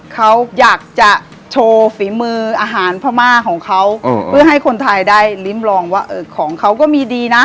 เขาอยากจะโชว์ฝีมืออาหารพม่าของเขาเพื่อให้คนไทยได้ลิ้มลองว่าเออของเขาก็มีดีนะ